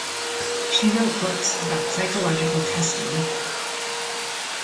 She wrote books about psychological testing.